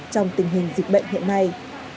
trong tình hình dịch bệnh hiện nay